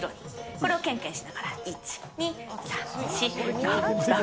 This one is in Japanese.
これをけんけんしながら、１、２、３、４、５、６、７。